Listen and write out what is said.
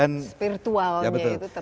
spiritualnya itu terpanggil